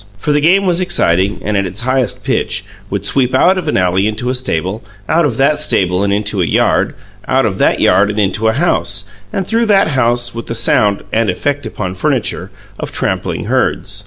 For the game was exciting, and, at its highest pitch, would sweep out of an alley into a stable, out of that stable and into a yard, out of that yard and into a house, and through that house with the sound (and effect upon furniture) of trampling herds.